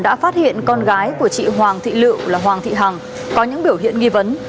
đã phát hiện con gái của chị hoàng thị lự là hoàng thị hằng có những biểu hiện nghi vấn